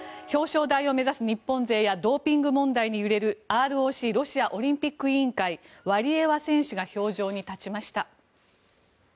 表彰台を目指す日本勢やドーピング問題に揺れるＲＯＣ・ロシアオリンピック委員会のワリエワ選手が氷上に立ちました。